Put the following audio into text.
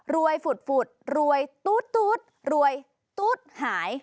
รวยฝุดฝุดรวยตู้ดตู้ดรวยตู้ดหาย